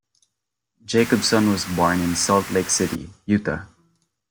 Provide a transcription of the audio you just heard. Jacobson was born in Salt Lake City, Utah.